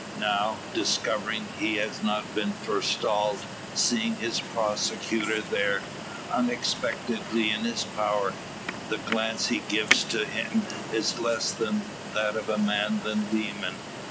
Now, discovering he has not been forestalled, seeing his prosecutor there, unexpectedly in his power, the glance he gives to him is less like that of man than demon.